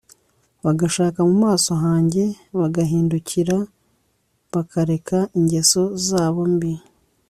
bagashaka mu maso hanjye bagahindukira bakareka ingeso zabo mbi